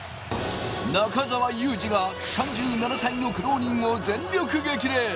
中澤佑二が３７歳の苦労人を全力激励。